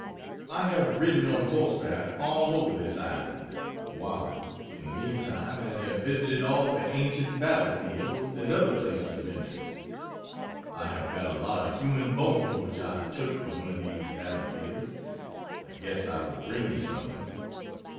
I have ridden on horseback all over this island (Oahu) in the meantime, and have visited all the ancient battle fields and other places of interest. I have got a lot of human bones which I took from one of these battle fields I guess I will bring you some of them.